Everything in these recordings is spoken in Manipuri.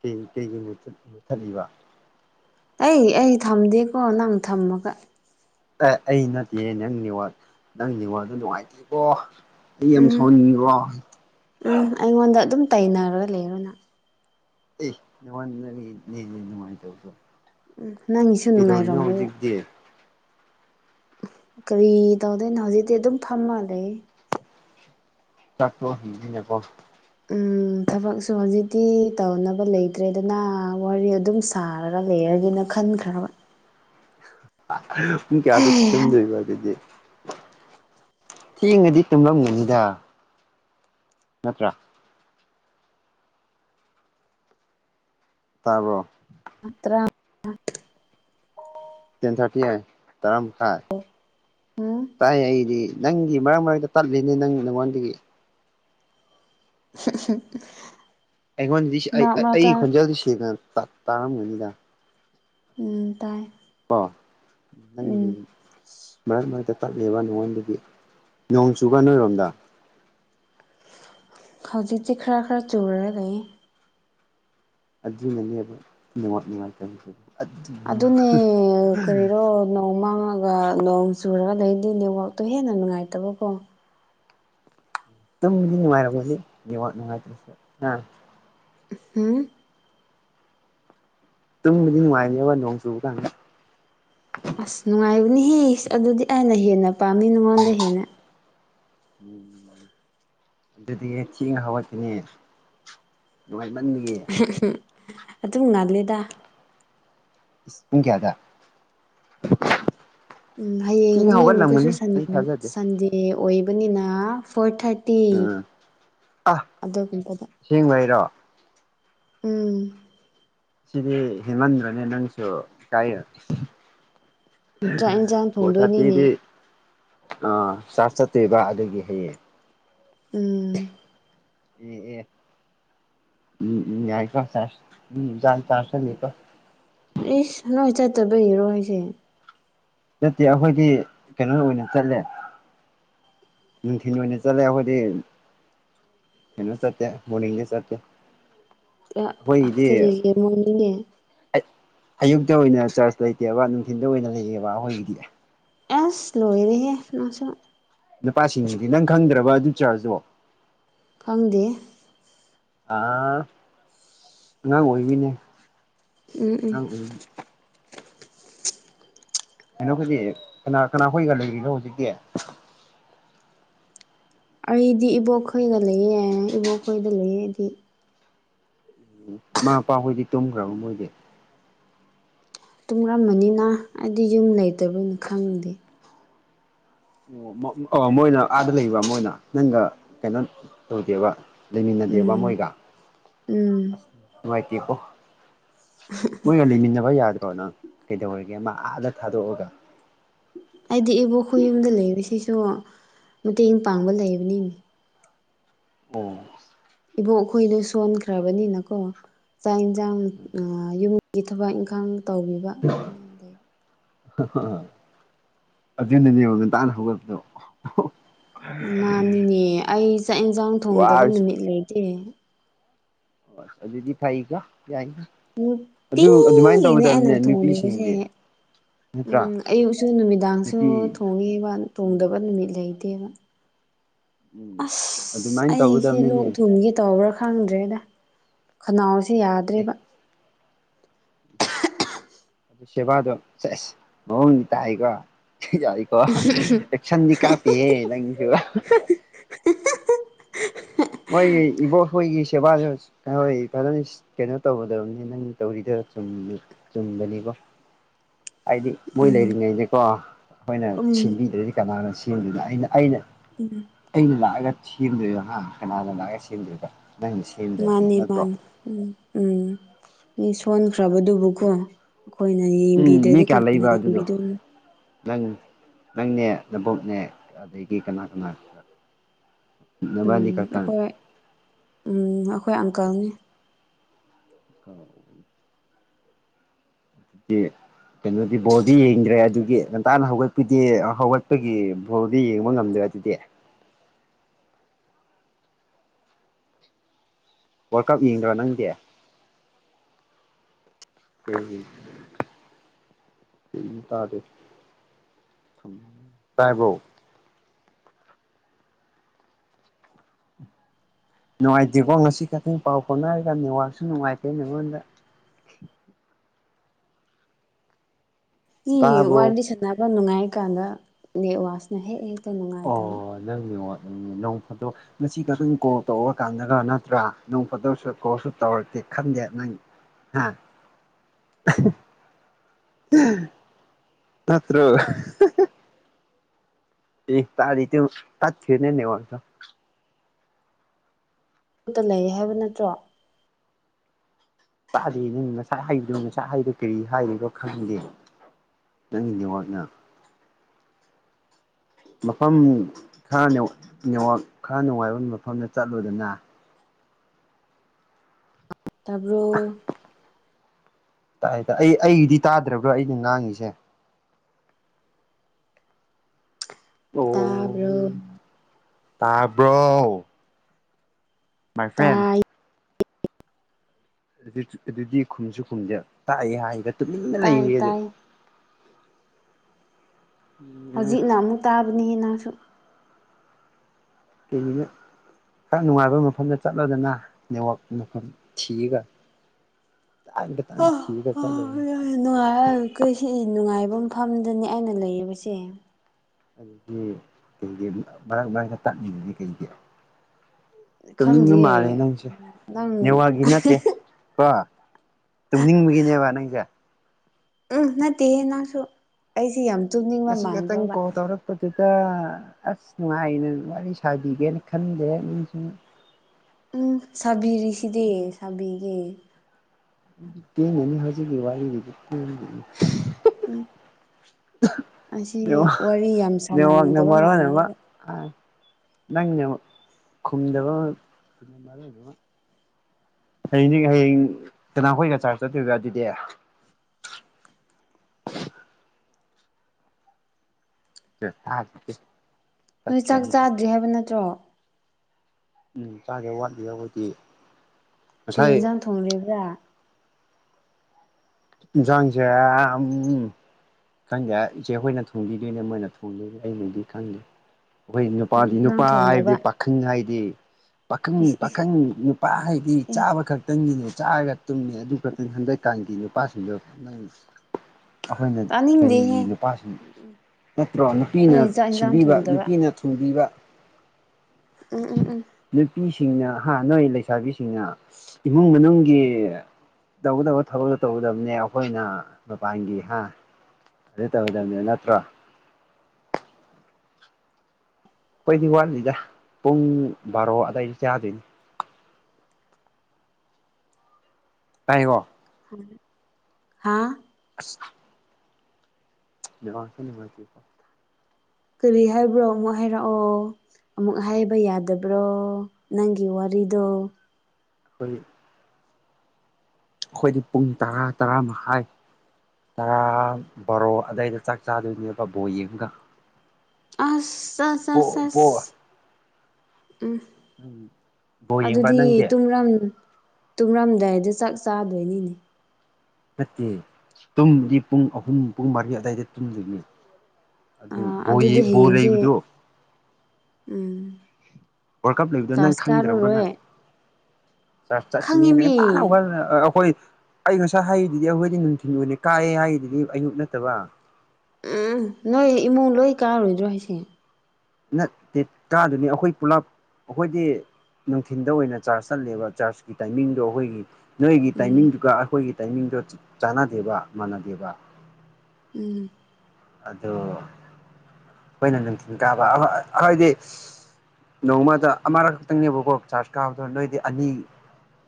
ꯀ ꯀꯩꯒꯤ ꯃꯨꯠꯊꯠꯂꯤꯕ ꯑꯩ ꯑꯩ ꯊꯝꯗꯦꯀꯣ ꯅꯪ ꯊꯝꯃꯒ ꯑꯦ ꯑꯩ ꯅꯠꯇꯦ ꯅꯪ ꯅꯤꯋꯥꯛ ꯅꯪ ꯅꯦꯋꯥꯛꯇꯣ ꯅꯨꯡꯉꯥꯏꯇ꯭ꯦꯕꯣ ꯑꯩ ꯌꯥꯝ ꯎꯝ ꯁꯥꯎꯍꯟꯅꯤꯡꯀꯣ ꯎꯝ ꯑꯩꯉꯣꯟꯗ ꯑꯗꯨꯝ ꯇꯥꯏꯅꯔꯒ ꯂꯩꯔꯣ ꯅꯪ ꯅꯪꯉꯣꯟꯅꯦ ꯅꯦꯋꯥꯛ ꯅꯨꯡꯉꯥꯏꯇꯕꯗꯨ ꯎꯝ ꯅꯪꯒꯤꯁꯨ ꯄꯤꯗꯥꯧꯔꯤꯅ ꯅꯨꯡꯉꯥꯏꯔꯝꯃꯣꯏꯕ ꯍꯧꯖꯤꯛꯗꯤ ꯀꯔꯤ ꯇꯧꯗꯣꯏꯅꯣ ꯍꯧꯖꯤꯛꯇꯤ ꯑꯗꯨꯝ ꯐꯝꯃꯂꯦ ꯆꯥꯛ [unintelligible] ꯎꯝ ꯊꯕꯛꯁꯨ ꯍꯧꯖꯤꯛꯇꯤ ꯇꯧꯅꯕ ꯂꯩꯇ꯭ꯔꯦꯗꯅ ꯋꯥꯔꯤ ꯑꯗꯨꯝ ꯁꯥꯔꯒ ꯂꯩꯔꯒꯅ ꯈꯟꯈ꯭ꯔꯕ ꯑ ꯄꯨꯡ ꯀꯌꯦꯗ ꯇꯨꯝꯗꯣꯏꯕ ꯑꯗꯨꯗꯤ ꯊꯦꯡꯉꯗꯤ ꯇꯨꯝꯂꯝꯒꯅꯤꯗ ꯅꯠꯇ꯭ꯔ ꯇꯥꯕꯣ ꯑ꯭ꯔ ꯇꯦꯟ ꯊꯥꯔꯇꯤ ꯍꯥꯏ ꯇꯔꯥ ꯃꯈꯥꯏ ꯎꯝ ꯇꯥꯏ ꯑꯩꯗꯤ ꯅꯪꯒꯤ ꯃꯔꯛ ꯃꯔꯛꯇ ꯇꯠꯂꯤꯅꯦ ꯅꯪ ꯅꯪꯉꯣꯟꯗꯒꯤ [unintelligible] ꯑꯩꯉꯣꯟꯗꯤ ꯑꯩ ꯃꯔꯛ ꯃꯔꯛꯇ ꯑꯩꯒꯤ ꯈꯣꯟꯖꯦꯜꯁꯤ ꯁꯦꯡꯅ ꯇꯥꯔꯝꯒꯅꯤꯗ ꯎꯝ ꯇꯥꯏ ꯑ ꯎꯝ ꯅꯪꯒꯤ ꯃꯔꯛ ꯃꯔꯛꯇ ꯀꯛꯅꯦꯕ ꯅꯉꯣꯟꯗꯨꯒꯤ ꯅꯣꯡ ꯆꯨꯕ ꯅꯣꯏꯔꯣꯝꯗ ꯍꯧꯖꯤꯛꯁꯤ ꯈꯔ ꯈꯔ ꯆꯨꯔ ꯂꯩ ꯑꯗꯨꯅꯅꯦꯕ ꯅꯨꯡꯉ ꯅꯨꯡꯉꯥꯏꯇꯕꯗꯨꯗ ꯑꯗꯨꯅꯦ ꯀꯔꯤꯔꯣ ꯅꯣꯡ ꯃꯥꯡꯉꯒ ꯅꯣꯡ ꯆꯨꯔꯒ ꯂꯩꯗꯤ ꯅꯦꯠꯋꯥꯛꯇꯣ ꯍꯦꯟꯅ ꯅꯨꯡꯉꯥꯏꯇꯕꯀꯣ ꯇꯨꯝꯕꯗꯤ ꯅꯨꯉꯥꯏꯔꯒꯗꯤ ꯅꯣꯢꯆꯥꯛ ꯅꯨꯡꯉꯥꯏꯇ꯭ꯔꯁꯨ ꯑꯥ ꯎꯝ ꯇꯨꯝꯕꯗꯤ ꯅꯨꯡꯉꯥꯏꯅꯦꯕ ꯅꯣꯡ ꯆꯨꯕꯀꯥꯟꯗ ꯑꯁ ꯅꯨꯡꯉꯥꯏꯕꯅꯤꯍꯦ ꯑꯗꯨꯗꯤ ꯑꯩꯅ ꯍꯦꯟꯅ ꯄꯥꯝꯃꯤ ꯅꯉꯣꯟꯗ ꯍꯦꯟꯅ ꯎꯝ ꯑꯗꯨꯗꯤ ꯆꯦꯡꯅ ꯍꯋꯥꯈꯤꯅꯦ ꯅꯨꯡꯉꯥꯏꯃꯟꯒꯦ ꯑꯗꯨꯝ ꯉꯂꯦꯗ ꯄꯨꯡ ꯀꯌꯥꯗ ꯎꯝ ꯊꯦꯡꯅ ꯍꯌꯦꯡꯗꯤ ꯑꯃꯨꯛ ꯍꯧꯒꯠꯂꯝꯒꯅꯤ ꯀꯩꯁꯨꯟ ꯑꯩ ꯊꯥꯖꯗꯦ ꯁꯟꯗꯦ ꯑꯦ ꯑꯣꯏꯕꯅꯤꯅ ꯐꯣꯔ ꯊꯥꯔꯇꯤ ꯎꯝ ꯑꯗꯨꯒꯨꯝꯕꯗ ꯑꯁꯦꯡꯕ ꯂꯩꯔꯣ ꯎꯝ ꯁꯤꯗꯤ ꯍꯦꯃꯟꯗ꯭ꯔꯅꯦ ꯅꯪꯁꯨ ꯀꯥꯏ ꯆꯥꯛ ꯌꯦꯟꯁꯥꯡ ꯄꯔ ꯊꯣꯡꯗꯣꯏꯅꯤꯅꯦ ꯆꯇꯤꯗꯤ ꯑꯥ ꯆꯥꯔꯖ ꯆꯠꯇꯣꯏꯕ ꯑꯗꯨꯒꯤ ꯍꯌꯦꯡ ꯎꯝ ꯑꯦ ꯑꯦ ꯎꯝ ꯎꯏ ꯀ ꯆ ꯎꯝ ꯆꯥꯔꯁꯨꯅꯤ ꯀ ꯏꯁ ꯅꯣꯏ ꯆꯠꯇꯕꯩ ꯏꯔꯣ ꯑꯩꯁꯦ ꯆꯠꯇꯦ ꯑꯩꯈꯣꯏꯗꯤ ꯀꯩꯅꯣ ꯑꯣꯏꯅ ꯆꯠꯂꯦ ꯅꯨꯡꯊꯤꯜ ꯑꯣꯏꯅ ꯆꯠꯂꯦ ꯑꯩꯈꯣꯏꯗꯤ ꯃꯅꯣ ꯆꯠꯦ ꯃꯅꯤꯡꯗꯤ ꯆꯠꯦ [unintelligible] ꯀꯔꯤꯒꯤ ꯃꯣꯔꯅꯤꯡꯅꯦ ꯑ ꯑꯌꯨꯛꯇ ꯑꯣꯏꯅ ꯆꯔꯆ ꯂꯩꯇꯦꯕ ꯅꯨꯡꯊꯤꯟꯗ ꯑꯣꯏꯅ ꯂꯩꯌꯦꯕ ꯑꯩꯈꯣꯏꯒꯤꯗꯤ ꯑꯁ ꯂꯣꯏꯔꯦꯍꯦ ꯅꯡꯁꯨ ꯅꯨꯄꯥꯁꯤꯡꯁꯤꯗꯤ ꯅꯪ ꯈꯪꯗ꯭ꯔꯕ ꯑꯗꯨ ꯆꯥꯔꯖꯇꯣ ꯈꯪꯗꯦ ꯑꯥ ꯉꯥꯡ ꯑꯣꯏꯏꯕꯤꯅꯦ ꯎꯝ ꯎꯝ ꯀꯩꯅꯣꯈꫭꯏꯗꯤ ꯀꯅꯥ ꯀꯅꯥꯍꯣꯏꯒ ꯂꯩꯔꯤꯅꯣ ꯍꯧꯖꯤꯛꯇꯤ ꯑꯩꯗꯤ ꯏꯕꯣꯛꯈꯣꯏꯒ ꯂꯩꯌꯦ ꯏꯕꯣꯛꯈꯣꯏꯗ ꯂꯩꯌꯦ ꯑꯩꯗꯤ ꯃꯃꯥ ꯃꯄꯥ ꯈꯣꯏꯗꯤ ꯇꯨꯝꯈ꯭ꯔꯕꫭ ꯃꯣꯏꯗꯤ ꯇꯨꯝꯔꯝꯃꯅꯤꯅ ꯑꯩꯗꯤ ꯌꯨꯝ ꯂꯩꯇꯕꯅ ꯈꯪꯗꯦ ꯑꯣ ꯑꯣ ꯃꯣꯏꯅ ꯑꯥꯗ ꯂꯩꯕ ꯃꫭꯏꯅ ꯅꯪꯒ ꯀꯩꯅꯣ ꯇꯧꯗꯦꯕ ꯂꯩꯃꯤꯟꯅꯗꯦꯕꯕꯥ ꯎꯝ ꯃꯣꯏꯒ ꯎꯝ ꯑꯁ ꯅꯨꯡꯉꯥꯏꯇꯦꯀꯣ ꯃꯣꯏꯒ ꯂꯩꯃꯤꯟꯅꯕ ꯌꯥꯗ꯭ꯔꯣ ꯅꯪ ꯀꯩꯗꯧꯔꯤꯒꯦ ꯑꯃ ꯑꯥꯗ ꯊꯥꯗꯣꯛꯑꯒ ꯑꯩꯗꯤ ꯏꯕꯣꯛꯈꫭꯏꯌꯨꯝꯗ ꯂꯩꯕꯁꯤꯁꯨ ꯃꯇꯦꯡ ꯄꯥꯡꯕ ꯂꯩꯕꯅꯤꯅꯦ ꯑꯣ ꯏꯕꯣꯛ ꯑꯩꯈꯣꯏꯅ ꯁꯣꯟꯈ꯭ꯔꯕꯅꯤꯅꯀꯣ ꯆꯥꯛ ꯌꯦꯟꯁꯥꯡ ꯌꯨꯝ ꯒꯤ ꯊꯕꯛ ꯏꯪꯈꯥꯡ ꯇꯧꯕꯤꯕ ꯑꯗꯨꯃꯥꯏꯅ ꯂꯩ [unintelligible] ꯑꯗꯨꯅꯅꯤ ꯉꯥꯟ ꯇꯥꯅ ꯍꯧꯒꯠꯄꯗꯣ ꯃꯥꯅꯤꯅꯦ ꯑꯩ ꯆꯥꯛ ꯏꯟꯁꯥꯡ ꯊꯣꯡꯗꯕ ꯋꯥꯔꯁꯨ ꯅꯨꯃꯤꯠ ꯂꯩꯇꯦ ꯑ ꯑꯗꯨꯗꯤ ꯐꯩꯏꯗ ꯌꯥꯏꯗꯥ ꯅꯨꯡꯇꯤꯒꯤꯅꯤ ꯑꯩꯅ ꯊꯣꯡꯂꯤꯕꯁꯦ ꯅꯨꯄꯤꯁꯤꯡꯗꯤ ꯅꯠꯇ꯭ꯔꯥ ꯎꯝ ꯑꯌꯨꯛꯁꯨ ꯅꯨꯃꯤꯗꯥꯡꯁꯨ ꯅꯨꯄꯤ ꯊꯣꯡꯉꯦꯕ ꯎꯝ ꯊꯣꯡꯗꯕ ꯅꯨꯃꯤꯠ ꯂꯩꯇꯦꯕ ꯎꯝ ꯑꯁ ꯑꯗꯨꯃꯥꯏꯅ ꯑꯩꯁꯦ ꯂꯣꯛ ꯇꯧꯒꯗꯕꯅꯤꯅꯦ ꯊꯨꯝꯒꯦ ꯇꯧꯕ꯭ꯔꯥ ꯈꯪꯗ꯭ꯔꯦꯗ ꯈꯅꯥꯎꯁꯤ ꯁꯤ ꯑꯦ ꯌꯥꯗ꯭ꯔꯦꯕ ꯑꯗꯨ ꯁꯦꯕꯥꯗꯣ ꯑꯁ ꯃꯑꯣꯡꯗꯤ ꯇꯥꯏꯀꯣ ꯌꯥꯏꯀꯣ ꯁꯟꯗꯤ ꯀꯥ ꯄꯦ ꯍꯦ ꯅꯪꯁꯨ ꯃꯣꯏꯒꯤ ꯏꯕꯣꯛ ꯍꯣꯏꯒꯤ ꯁꯦꯕꯁꯦ [unintelligible] ꯀꯩꯅꯣ ꯇꯧꯒꯗꯕꯅꯤ ꯅꯪ ꯇꯧꯔꯤꯗꫭ ꯆꯨꯝ [unintelligible] ꯆꯨꯝꯕꯅꯤꯀꯣ ꯍꯥꯏꯗꯤ ꯃꯣꯏ ꯎꯝ ꯂꯩꯔꯤꯉꯩꯗꯀꯣ ꯑꯩꯈꯣꯏꯅ ꯎꯝ ꯁꯦꯝꯕꯤꯗ꯭ꯔꯗꯤ ꯀꯅꯥꯅ ꯁꯦꯝꯗꯣꯏꯅꯣ ꯑꯩꯅ ꯑꯩꯅ ꯎꯝ ꯑꯩꯅ ꯂꯥꯛꯑꯒ ꯁꯦꯝꯗꯣꯏꯔꫭ ꯍ ꯀꯅꯥꯗ ꯂꯥꯛꯑꯒ ꯁꯦꯝꯗꯣꯏꯕ ꯅꯪꯅ ꯁꯦꯝꯗ꯭ꯔꯗꯤ ꯃꯥꯅꯤ ꯅꯠꯇ꯭ꯔꯣ ꯃꯥꯅꯤ ꯎꯝ ꯎꯝ ꯃꯤ ꯁꯣꯟꯈ꯭ꯔꯕꯗꯨꯕꯨꯀꯣ ꯑꯩꯈꯣꯏꯅ ꯎꯝ ꯃꯤ ꯌꯦꯡꯕꯤꯗ꯭ꯔꯗꯤ ꯀꯌꯥ ꯀꯅꯥꯅ ꯂꯩꯕ ꯑꯗꯨꯗꯣ ꯌꯦꯡꯕꯤꯗꯣꯏꯅꯣ ꯅꯪ ꯅꯪꯅꯦ ꯅꯕꯣꯛꯅꯦ ꯑꯗꯒꯤ ꯀꯅꯥ ꯀꯅꯥ [unintelligible] ꯎꯝ ꯅꯕꯥꯅꯤ ꯈꯛꯇꯪ ꯑꯩꯈꯣꯏ ꯎꯝ ꯑꯩꯈꯣꯏ ꯑꯪꯀꯜꯅꯤ [unintelligible] [unintelligible] ꯀꯩꯅꯣꯗꯤ ꯕꯣꯜꯗꯤ ꯌꯦꯡꯗ꯭ꯔꯦ ꯑꯗꯨꯒꯤ ꯉꯟꯇꯥꯅ ꯍꯧꯒꯠꯄꯤꯗꯤ ꯍꯧꯒꯠꯄꯒꯤ ꯕꫭꯜꯗꯤ ꯌꯦꯡꯕ ꯉꯝꯗ꯭ꯔ ꯑꯗꯨꯗꯤ ꯋꯥꯔꯜ ꯀꯞ ꯌꯦꯡꯗ꯭ꯔꯣ ꯅꯪꯗꯤ ꯀꯔꯤꯒꯤ ꯀꯔꯤꯒꯤ ꯇꯥꯗꯦ [unintelligible] ꯇꯥꯏꯕꯣ ꯅꯨꯡꯉꯥꯏꯇꯦꯀꯣ ꯉꯁꯤ ꯈꯇꯪ ꯄꯥꯎ ꯐꯥꯎꯅꯔꯒ ꯅꯦꯠꯋꯥꯛꯁꯨ ꯅꯨꯡꯉꯥꯏꯇꯦ ꯃꯤꯉꯣꯟꯗ ꯃꯤ ꯇꯥꯕ꯭ꯔꯣ ꯋꯥꯔꯤ ꯁꯥꯟꯅꯕ ꯅꯨꯡꯉꯥꯏꯀꯥꯟꯗ ꯅꯦꯛꯋꯥꯛꯁꯤꯅ ꯍꯦꯛ ꯍꯦꯛꯇ ꯅꯨꯡꯉꯥꯏꯇꯕ ꯅꯪ ꯅꯦꯛꯋꯥꯛ [unintelligible] ꯅꯪ ꯐꫭꯇꫭ ꯉꯁꯤ ꯈꯛꯇꯪ ꯀꯣꯜ ꯇꯧꯔ ꯀꯥꯟꯗꯒ ꯅꯠꯇ꯭ꯔꯥ ꯅꯪ ꯐꫭꯇꫭꯁꯨ ꯀꯣꯜꯁꯨ ꯇꯧꯔꯛꯇꯦ ꯈꯟꯗꯦ ꯅꯪ ꯍꯥꯥ ꯅꯠꯇ꯭ꯔꯣ ꯑꯦ ꯇꯥꯔꯤꯇꯣ ꯌꯦꯡꯑꫭ ꯇꯥꯠ ꯈꯔꯦꯅꯦ ꯅꯦꯛꯋꯥꯛꯇꫭ [unintelligible] ꯂꯩ ꯍꯥꯏꯕ ꯅꯠꯇ꯭ꯔꯣ ꯇꯥꯗꯦꯉꫭ ꯉꯁꯥꯏ ꯍꯥꯏꯕꯗꯨ ꯉꯁꯥꯏ ꯍꯥꯏꯗꯨ ꯀꯔꯤ ꯍꯥꯏꯔꯤꯅꫭ ꯈꯪꯗꯦ ꯅꯪꯒꯤ ꯅꯦꯡꯋꯥꯥꯛꯅ ꯃꯐꯝ ꯈꯔ ꯅꯦꯛꯋꯥꯛ ꯈꯔ ꯅꯨꯡꯉꯥꯏꯕ ꯃꯐꯝꯗ ꯆꯠꯂꯨꯗꯅ ꯇꯥꯕꯔꫭ ꯇꯥꯏ ꯇꯥꯏ ꯑꯩ ꯑꯩꯒꯤꯗꯤ ꯇꯥꯗ꯭ꯔꯕ꯭ꯔꯣ ꯑꯩꯗꯤ ꯉꯥꯡꯉꯤꯁꯦ ꯑꯣ ꯇꯥꯕꯔꯣ ꯇꯥꯕ꯭ꯔꯣ ꯃꯥꯏ ꯐ꯭ꯔꯦꯟ ꯇꯥꯏ ꯑꯗꯨꯗꯤ ꯈꯨꯝꯁꯨ ꯈꯨꯝꯗꯦ ꯇꯥꯏꯑꯦ ꯍꯥꯏꯒ ꯇꯨꯃꯤꯟꯅ ꯇꯥꯏ ꯂꯩꯔ ꯑꯗ ꯇꯥꯏ ꯍꯧꯖꯤꯛꯅ ꯑꯃꯨꯛ ꯇꯥꯕꯅꯤꯍꯦ ꯅꯪꯁꯨ [unintelligible] ꯈꯔ ꯅꯨꯡꯉꯥꯏꯕ ꯃꯐꯝꯗ ꯆꯠꯂꯣꯗꯅ ꯅꯦꯠꯋꯥꯛ ꯃꯐꯝ ꯊꯤꯔꯒ [unintelligible] [unintelligible] ꯅꯨꯡꯉꯥꯏꯕ ꯃꯐꯝꯗꯅꯦ ꯑꯩꯅ ꯂꯩꯔꯤꯕꯁꯦ ꯑꯗꯨꯗꯤ ꯀꯩꯒꯤ ꯃꯔꯛ ꯃꯔꯛ ꯇꯥ ꯇꯥꯠꯂꯤꯗꯨꯗꯤ ꯀꯩꯒꯤ ꯇꯨꯝꯅꯤꯡꯕ ꯈꯪꯗꯦ ꯃꯥꯜꯂꯦ ꯅꯪꯁꯦ ꯅꯪ ꯅꯦꯋꯥꯛꯒꯤ ꯅꯠꯇꯦ ꯀꯣ ꯇꯨꯝꯅꯤꯡꯕꯒꯤꯅꯦꯕ ꯅꯪꯁꯦ ꯎꯝ ꯅꯠꯇꯦꯍꯦ ꯅꯪꯁꯨ ꯑꯩꯁꯤ ꯌꯥꯝ ꯇꯨꯝꯅꯤꯡꯕ ꯃꯈ꯭ꯕꯔꯣꯕ ꯗꯨꯗ ꯑꯁ ꯅꯨꯡꯉꯥꯏꯅ ꯋꯥꯔꯤ ꯁꯥꯕꯤꯒꯦꯅ ꯈꯟꯗꯦ ꯅꯪꯁꯨ ꯎꯝ ꯁꯥꯕꯤꯔꯤꯁꯤꯗꯤ ꯁꯥꯕꯤꯒꯦ [unintelligible] ꯍꯧꯖꯤꯒ ꯋꯥꯔꯤ [unintelligible] ꯎꯝ ꯑꯁꯤ ꯋꯥꯔꯤ ꯌꯥꯝ ꯅꯦꯠꯋꯥꯛꯅ ꯁꯥꯟꯅꯅꯤꯡꯗꯕ ꯃꯔꯣꯟ ꯑꯃ ꯃꯥꯟꯕꯔ꯭ꯕ ꯅꯪꯅ ꯈꯨꯝꯗꯕ ꯍꯌꯦꯡꯗꯒꯤ ꯍꯌꯦꯡ ꯀꯅꯥꯈꯣꯏꯒ ꯆꯥꯔꯖ ꯆꯠꯇꯣꯏꯕ ꯑꯗꯨꯗꯤ [inaudible] ꯅꯣꯏ ꯆꯥꯛ ꯑꯃꯨꯛꯀ ꯆꯥꯗ꯭ꯔꯤ ꯍꯥꯏꯕ ꯅꯠꯇ꯭ꯔꯣ ꯎꯝ ꯆꯥꯗꯧ ꯋꯥꯠꯂꯤꯕ ꯈꯣꯏꯗꯤ ꯀꯔꯤ ꯏꯟꯖꯥꯡ ꯊꯣꯡꯂꯤꯕ꯭ꯔꯥ ꯏꯟꯖꯡꯁꯦ ꯎꯝ ꯈꯪꯗꯦ ꯏꯆꯦ ꯑꯩꯈꯣꯏꯅ ꯊꯣꯡꯕꯤꯗꯣꯏꯅꯦ ꯃꯣꯏꯅ ꯊꯣꯡꯕꯤꯅꯤ ꯑꯩꯅꯗꯤ ꯈꯪꯗꯦ ꯃꯣꯏ ꯅꯨꯞ ꯎꯝ ꯅꯨꯄꯥꯗꯤ ꯅꯪ ꯅꯨꯄꯥ ꯍꯥꯏꯕꯗꯤ ꯊꯣꯡꯗꯕ ꯄꯥꯈꯪ ꯍꯥꯏꯗꯤ ꯄꯥꯈꯪ ꯏꯁ ꯏꯁ ꯄꯥꯈꯪ ꯅꯨꯄꯥ ꯍꯥꯏꯗꯤ ꯏ ꯆꯥꯕ ꯈꯛꯇꯪꯒꯤꯅꯦ ꯆꯥꯔꯒ ꯇꯨꯝꯃꯦ ꯑꯗꯨ ꯈꯛꯇꯪ ꯍꯟꯗꯛꯀꯥꯟꯒꯤ ꯅꯨꯄꯥꯁꯤꯡꯗꯣ ꯅꯪ ꯑꯩꯈꯣꯏꯅ ꯇꯥꯅꯤꯡꯗꯦꯍꯦ ꯀꯩꯒꯤ ꯅꯨꯄꯥꯁꯤꯡ ꯎꯝ ꯎꯝ ꯅꯠꯇ꯭ꯔꯣ ꯅꯨꯄꯤꯅ ꯅꯣꯏ ꯆꯥꯛ ꯏꯟꯁꯥꯡ ꯁꯤꯟꯕꯤꯕ ꯊꯣꯡꯗꯕ ꯅꯨꯄꯤꯅ ꯊꯣꯡꯕꯤꯕ ꯎꯝ ꯎꯝ ꯎꯝ ꯅꯨꯄꯤꯁꯤꯡꯅ ꯍꯥ ꯅꯣꯏ ꯂꯩꯁꯥꯕꯤꯁꯤꯡꯅ ꯏꯃꯨꯡ ꯃꯅꯨꯡꯒꯤ ꯇꯧꯒꯗꯕ ꯊꯕꯛꯇꯣ ꯇꯧꯒꯗꯕꯅꯦ ꯑꯩꯈꯣꯏꯅ ꯃꯄꯥꯟꯒꯤ ꯍꯥ ꯗꯨ ꯇꯧꯒꯗꯕꯅꯦ ꯅꯠꯇ꯭ꯔꯣ ꯑꯩꯈꯣꯏꯗꯤ ꯋꯥꯠꯂꯤꯗ ꯄꯨꯡ ꯕꯥꯔꯣ ꯑꯗꯋꯥꯏꯗ ꯆꯥꯗꯣꯏꯅꯤ [unintelligible] ꯍꯥꯥ ꯑꯁ ꯅꯦꯠꯋꯥꯛ ꯁꯦ ꯅꯨꯉꯥꯏꯇꯦ꯫ ꯀꯔꯤ ꯍꯥꯏꯕ꯭ꯔꯣ ꯑꯃꯨꯛ ꯍꯥꯏꯔꯛꯑꯣ ꯑꯃꯨꯛ ꯍꯥꯏꯕ ꯌꯥꯗꯕ꯭ꯔꯣ ꯅꯪꯒꯤ ꯋꯥꯔꯤꯗꯣ ꯑꯩꯈꯣꯏꯒꯤ ꯑꯩꯈꯣꯏꯗꯤ ꯄꯨꯡ ꯇꯔꯥ ꯇꯔꯥꯃꯥꯈꯥꯏ ꯇꯔꯥ ꯕꯥꯔꯣ ꯑꯗꯥꯏꯗ ꯆꯥꯛ ꯆꯥꯗꯣꯏꯅꯦꯕ ꯕꯣ ꯌꯦꯡꯉꯥꯒ ꯑꯁ ꯄꯣ [unintelligible] ꯎꯝ ꯕꯣꯜ ꯌꯦꯡꯕ꯭ꯔꯥ ꯑꯗꯨꯗꯤ ꯅꯪꯗꯤ ꯇꯨꯝꯔꯝ ꯇꯨꯝꯔꯝꯗꯥꯏꯗ ꯆꯥꯛ ꯆꯥꯗꯣꯏꯅꯤꯅꯦ ꯅꯠꯇꯦ ꯇꯨꯝꯕꯗꯤ ꯄꯨꯡ ꯑꯍꯨꯝ ꯄꯨꯡ ꯃꯥꯔꯤ ꯑꯗꯋꯥꯏꯗ ꯇꯨꯝꯗꯣꯏꯅꯤ ꯑ ꯑꯗꯨ ꯕꯣ ꯌꯤ ꯑꯗꯨꯗꯤ ꯕꯣꯜ ꯍꯌꯦꯡꯁꯦ ꯂꯩꯕꯗꯣ ꯎꯝ ꯋꯥꯔꯜꯗ ꯀꯥꯞ ꯂꯩꯕꯗꯣ ꯅꯪ ꯆꯥꯔꯖ ꯈꯪꯗꯔꯕꯔꯣ ꯅꯪ ꯀꯥꯔꯔꯣꯏ ꯆꯥ ꯆꯠꯅꯤꯡꯅ ꯇꯥꯅ ꯈꯪꯉꯤꯃꯤ ꯋꯥꯈꯜ ꯑꯩꯈꯣꯏ ꯑꯩ ꯉꯁꯥꯏ ꯍꯥꯏꯔꯤꯗꯨꯗꯤ ꯑꯩꯈꯣꯏꯗꯤ ꯅꯨꯡꯊꯤꯟꯜ ꯑꯣꯏꯅ ꯀꯥꯏꯑꯦ ꯍꯥꯏꯒꯤꯗꯨꯗꯤ ꯑꯌꯨꯛ ꯅꯠꯇꯕ ꯎꯝ ꯅꯣꯏ ꯏꯃꯨꯡ ꯂꯣꯏ ꯀꯥꯔꯣꯏꯗ꯭ꯔꯣ ꯍꯥꯏꯁꯦ ꯅꯠꯇꯦ ꯀꯗꯨꯅꯤ ꯑꯩꯈꯣꯏ ꯄꯨꯂꯞ ꯑꯩꯈꯣꯏꯗꯤ ꯅꯨꯡꯊꯤꯟꯗ ꯑꯣꯏꯅ ꯆꯥꯔꯖ ꯆꯠꯂꯦꯕ ꯆꯥꯔꯖꯀꯤ ꯇꯥꯏꯃꯤꯡꯗꯣ ꯑꯩꯈꯣꯏꯒꯤ ꯅꯣꯏꯒꯤ ꯎꯝ ꯇꯥꯏꯃꯤꯡꯗꯨꯒ ꯑꯩꯈꯣꯏꯒꯤ ꯇꯥꯏꯃꯤꯡꯗꯨ ꯆꯥꯟꯅꯗꯦꯕ ꯃꯥꯟꯅꯗꯦꯕ ꯎꯝ ꯑꯗꯨ ꯑꯩꯈꯣꯏꯅ ꯅꯨꯡꯊꯤꯟ ꯀꯥꯕ ꯍꯥꯏꯗꯤ ꯅꯣꯡꯃꯗ ꯑꯃꯔꯛ ꯈꯛꯇꯪꯅꯦꯕꯀꯣ ꯆꯥꯔꯖ ꯀꯥꯕꯗꯣ ꯅꯣꯏꯗꯤ ꯑꯅꯤ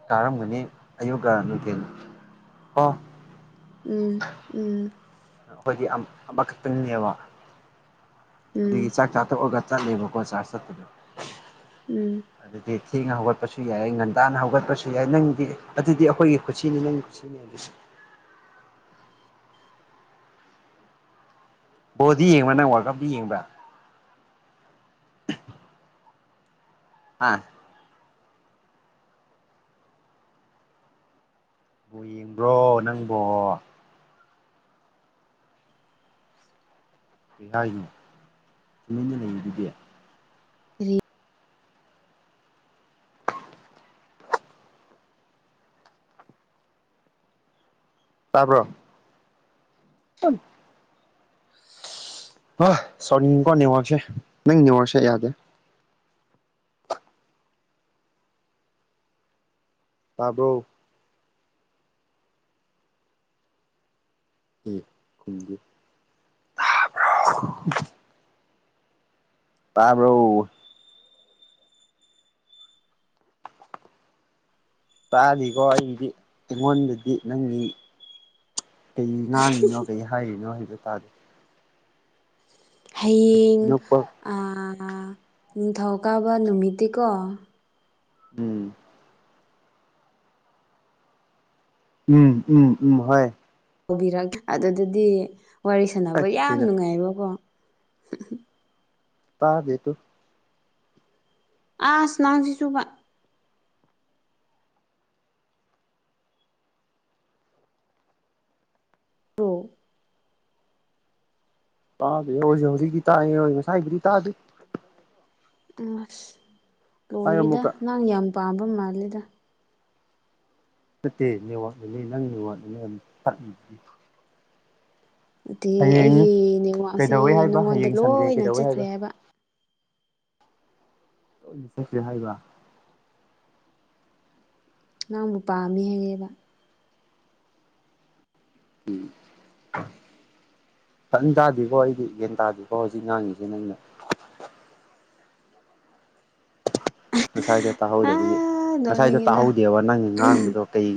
ꯀꯥꯔꯝꯒꯅꯤ ꯑꯌꯨꯛꯀ ꯅꯨꯡꯊꯤ ꯀ ꯎꯝ ꯎꯝ ꯑꯩꯈꯣꯏꯗꯤ ꯑꯃꯈꯛꯇꯪꯅꯦꯕ ꯎꯝ ꯑꯗꯨꯗꯒꯤ ꯆꯥꯛ ꯆꯥꯊꯣꯛꯑꯒ ꯆꯠꯂꯦꯕꯀꯣ ꯆꯥꯔ ꯆꯠꯄꯗꯣ ꯎꯝ ꯑꯗꯨꯗꯤ ꯊꯦꯡꯅ ꯍꯧꯒꯠꯄꯁꯨ ꯌꯥꯏ ꯉꯟꯇꯥꯅ ꯍꯧꯒꯠꯄꯁꯨ ꯌꯥꯏ ꯅꯪꯗꯤ ꯑꯗꯨꯗꯤ ꯑꯩꯈꯣꯏꯒꯤ ꯈꯨꯠꯁꯤꯅꯤ ꯅꯪ ꯁꯨꯅꯤꯁ ꯕꯣꯜꯗꯤ ꯌꯦꯡꯕ ꯅꯪ ꯋꯥꯔꯀꯞꯇꯤ ꯌꯦꯡꯕ꯭ꯔꯥ ꯑꯥ ꯌꯦꯡꯕ꯭ꯔꯣ ꯅꯪꯕꯣ ꯍꯥꯏ ꯇꯨꯃꯤꯟꯅ ꯂꯩꯗꯨꯗꯤ ꯔꯤ ꯇꯥꯕꯔꯣ [inaudible] ꯑ ꯁꯧꯅꯤꯡꯉꯤꯀꯣ ꯅꯦꯋꯥꯛꯁꯦ ꯅꯪ ꯅꯦꯋꯥꯛꯁꯦ ꯌꯥꯗꯦ ꯇꯥꯕ꯭ꯔꯣ ꯎ ꯈꯨꯨꯝꯕꯤꯌꯨ [unintelligible] ꯇꯥꯕꯔꯣ꯫ ꯇꯥꯗꯦꯀꯣ ꯑꯩꯒꯤꯗꯤ ꯑꯩꯉꯣꯟꯗꯗꯤ ꯅꯪꯒꯤ꯫ ꯀꯩ ꯉꯥꯡꯉꯤꯅꯣ ꯀꯩ ꯍꯥꯏꯔꯤꯅꯣ ꯍꯥꯏꯕ ꯇꯥꯗꯦ꯫ ꯍꯌꯦꯡ ꯅꯣꯛꯄ ꯑ ꯅꯤꯡꯊꯧꯀꯥꯕ ꯅꯨꯃꯤꯠꯇꯤꯀꯣ꯫ ꯎꯝ ꯎꯝ ꯎꯝ ꯎꯝ ꯍꯣꯏ ꯇꯧꯕꯤꯔꯛꯒꯦ ꯑꯗꯨꯗꯗꯤ ꯋꯥꯔꯤ ꯁꯥꯟꯅꯕ ꯑꯩ ꯌꯥꯝ ꯀꯩꯅꯣ ꯅꯨꯡꯉꯥꯏꯕꯀꯣ ꯇꯥꯗꯣꯇꯨ ꯑꯁ ꯅꯪꯁꯤꯁꯨꯕ ꯕꯣ꯫ ꯇꯥꯗꯦ ꯍꯣꯏꯖꯨ ꯍꯧꯖꯤꯛꯇꯤ ꯇꯥꯏ ꯉꯁꯥꯏꯗꯒꯤ ꯇꯥꯗꯦ꯫ ꯑꯁ ꯇꯥꯏ ꯂꯣꯏꯔꯦꯗ ꯑꯃꯨꯛꯀ ꯅꯪ ꯌꯥꯝ ꯄꯥꯝꯕ ꯃꯥꯂꯦꯗ꯫ ꯅꯠꯇꯦ ꯅꯦꯋꯥꯛꯁꯤꯗꯤ ꯅꯪꯒꯤ ꯅꯦꯋꯥꯛꯖꯤꯅꯤ ꯇꯠꯂꯤꯖꯤ꯫ ꯑꯗꯨꯗꯤ ꯍꯌꯦꯡ ꯑꯩꯒꯤ ꯅꯦꯋꯥꯛꯁꯤ ꯀꯩꯗꯧꯋꯦ ꯍꯥꯏꯕ ꯅꯉꯣꯟꯗ ꯍꯌꯦꯡ ꯁꯟꯗꯦ ꯂꯣꯏꯅ ꯀꯩꯗꯧꯋꯦ ꯆꯠꯈ꯭ꯔꯦ ꯍꯥꯏꯕ꯫ ꯍꯥꯏꯕ꯫ ꯅꯪꯅ ꯄꯥꯃꯦ ꯍꯥꯏꯑꯦꯕ꯫ ꯎꯝ꯫ ꯐꯖꯟ ꯇꯥꯗꯦꯀꯣ ꯑꯩꯗꯤ ꯒ꯭ꯌꯥꯟ ꯇꯥꯗꯦꯀꯣ ꯍꯧꯖꯤꯛ ꯉꯥꯡꯉꯤꯖꯦ ꯅꯪꯅ꯫ ꯉꯁꯥꯏꯗꯣ ꯇꯥꯍꯧꯗꯕꯒꯤ ꯑꯥ ꯉꯁꯥꯏꯗꯣ ꯅꯣꯛꯅꯤꯡꯉꯤꯗ ꯇꯥꯍꯧꯗꯦꯕ ꯅꯪꯅ ꯉꯥꯡꯕꯗꯣ ꯀꯩ